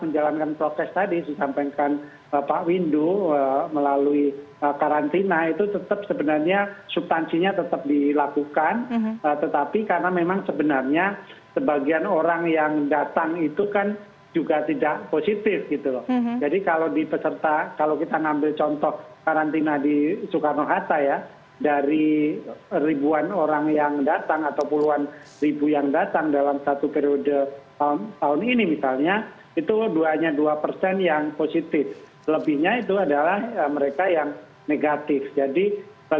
jadi tidak ada negara di dunia ini yang statusnya hijau